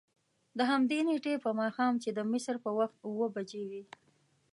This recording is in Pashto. د همدې نېټې په ماښام چې د مصر په وخت اوه بجې وې.